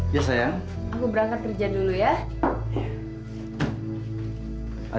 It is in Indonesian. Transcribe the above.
ya sayang aku berangkat kerja dulu ya